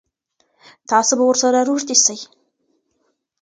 تاسو به ورسره روږدي سئ.